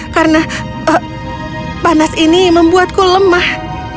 karena panas ini membuatku lemah